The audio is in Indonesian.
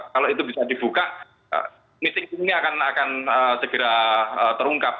kalau itu bisa dibuka meeting ini akan segera terungkap